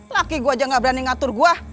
laki gua aja nggak berani ngatur gua